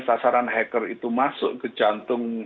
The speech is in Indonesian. sasaran hacker itu masuk ke jantung